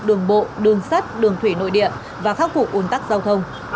đường bộ đường sắt đường thủy nội địa và khắc cục ủn tắc giao thông